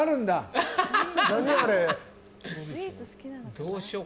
どうしようかな？